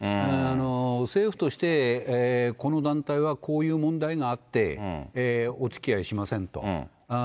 政府として、この団体はこういう問題があって、おつきあいしませんと。